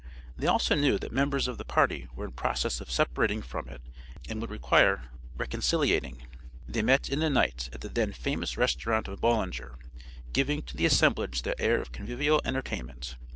They also knew that members of the party were in process of separating from it and would require reconciliating. They met in the night at the then famous restaurant of Boulanger giving to the assemblage the air of convivial entertainment.